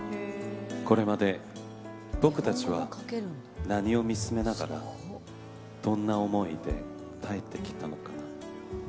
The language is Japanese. これまで僕たちは何を見つめながらどんな思いで耐えてきたのかな。